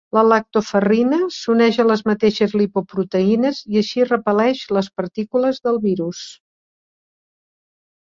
La lactoferrina s'uneix a les mateixes lipoproteïnes i així repel·leix les partícules del virus.